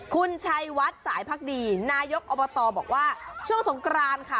คุณชัยวัดสายพักดีนายกอบตบอกว่าช่วงสงกรานค่ะ